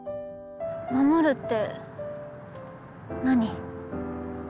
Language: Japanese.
守るって何？